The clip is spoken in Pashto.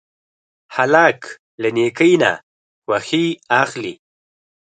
هلک له نیکۍ نه خوښي اخلي.